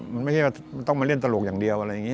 มันไม่ใช่ว่าต้องมาเล่นตลกอย่างเดียว